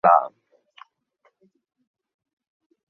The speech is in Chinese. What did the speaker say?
隆庆二年戊辰科第三甲第九十四名进士。